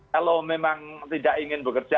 kalau memang tidak ingin bekerja